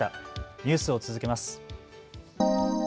ニュースを続けます。